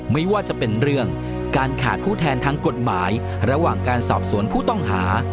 ไม่ว่าจะเป็นเรื่องการขาดผู้แทนทางกฎหมายระหว่างการสอบสวนผู้ต้องหา